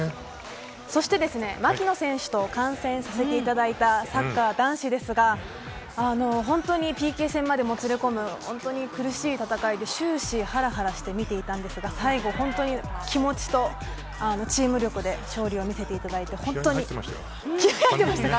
そして槙野選手と観戦させていただいたサッカー男子ですが本当にＰＫ戦までもつれ込む本当に苦しい戦いで終始ハラハラして見ていたんですが最後、本当に気持ちとチーム力で気合入っていましたよ。